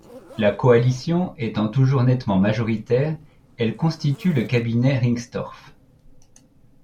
La coalition étant toujours nettement majoritaire, elle constitue le cabinet Ringstorff.